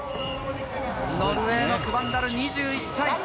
ノルウェーのクヴァンダル、２１歳。